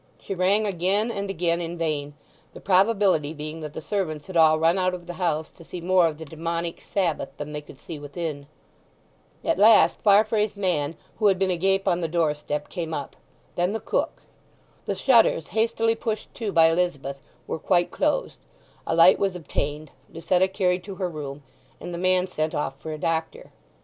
She rang again and again, in vain; the probability being that the servants had all run out of the house to see more of the Demoniac Sabbath than they could see within. At last Farfrae's man, who had been agape on the doorstep, came up; then the cook. The shutters, hastily pushed to by Elizabeth, were quite closed, a light was obtained, Lucetta carried to her room, and the man sent off for a doctor.